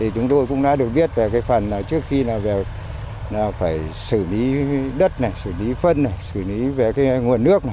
chúng tôi cũng đã được biết về phần trước khi phải xử lý đất xử lý phân xử lý nguồn nước